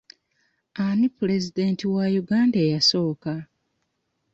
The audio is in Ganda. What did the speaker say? Ani pulezidenti wa Uganda eyasooka?